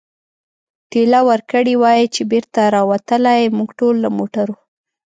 ټېله ورکړې وای، چې بېرته را وتلای، موږ ټول له موټرو.